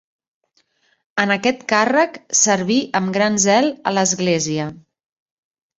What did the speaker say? En aquest càrrec serví amb gran zel a l'església.